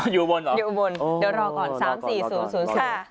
อยู่อุบลหรออยู่อุบลเดี๋ยวรอก่อน๓๔๐๐